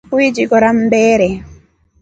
Uichi kora mbere?